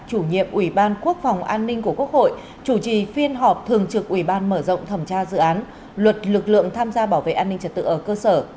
chủ nhiệm ủy ban quốc phòng an ninh của quốc hội chủ trì phiên họp thường trực ủy ban mở rộng thẩm tra dự án luật lực lượng tham gia bảo vệ an ninh trật tự ở cơ sở